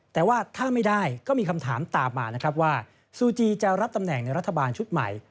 แต่ว่าถ้าไม่ได้ก็มีคำถามตามมานะครับว่าซูจีจะรับตำแหน่งในรัฐบาลชุดใหม่